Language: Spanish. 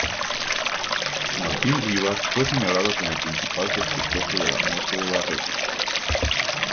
Martín Rivas fue señalado como principal sospechoso de la muerte de Barreto.